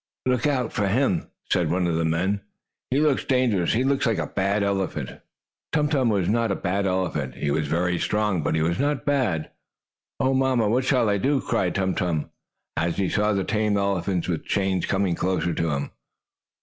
"Look out for him," said one of the men. "He looks dangerous. He looks like a bad elephant." Tum Tum was not a bad elephant. He was very strong, but he was not bad. "Oh, mamma, what shall I do?" cried Tum Tum, as he saw the tame elephants, with chains, coming closer to him.